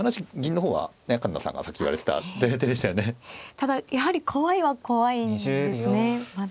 ただやはり怖いは怖いんですねまだ。